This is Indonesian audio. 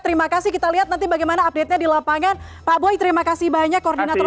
terima kasih kita lihat nanti bagaimana update nya di lapangan pak boy terima kasih banyak koordinator